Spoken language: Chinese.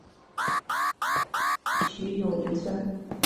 徐永宁孙。